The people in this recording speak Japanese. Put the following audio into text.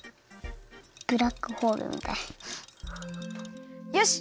ブラックホールみたい。